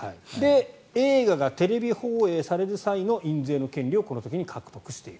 映画がテレビ放映される際の印税の権利をこの時に獲得している。